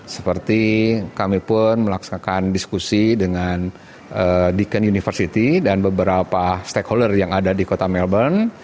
seperti kami pun melaksanakan diskusi dengan deacon university dan beberapa stakeholder yang ada di kota melbourne